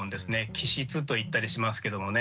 気質と言ったりしますけどもね。